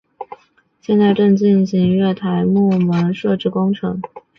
现在正进行月台幕门设置工程。